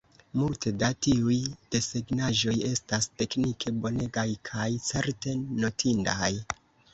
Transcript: Multe da tiuj desegnaĵoj estas teknike bonegaj kaj certe notindaj.